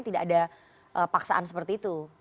tidak ada paksaan seperti itu